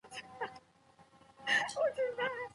اضافي پانګونه اضافي تقاضا منځته راوړي.